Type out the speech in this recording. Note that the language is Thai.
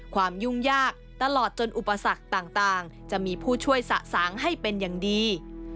ยุ่งยากตลอดจนอุปสรรคต่างจะมีผู้ช่วยสะสางให้เป็นอย่างดี